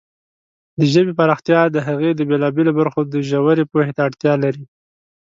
د ژبې پراختیا د هغې د بېلابېلو برخو د ژورې پوهې ته اړتیا لري.